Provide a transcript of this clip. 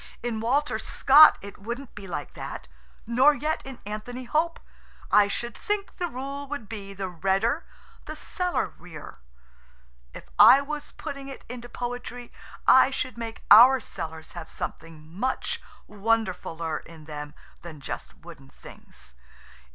"In Walter Scott it wouldn't be like that, nor yet in Anthony Hope. I should think the rule would be the redder the cellarier. If I was putting it into poetry I should make our cellars have something much wonderfuller in them than just wooden things.